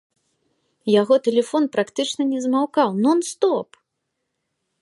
Яго тэлефон практычна не змаўкаў, нон-стоп!